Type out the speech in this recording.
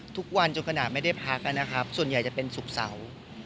ทุกวันจนขณะไม่ได้พักส่วนใหญ่จะเป็นศุกร์เสาร์